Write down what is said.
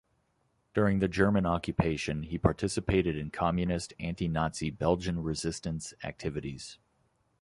During the German occupation, he participated in communist anti-Nazi Belgian resistance activities.